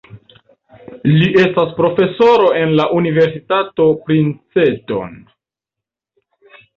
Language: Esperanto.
Li estas profesoro en la Universitato Princeton.